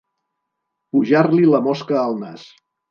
Pujar-li la mosca al nas.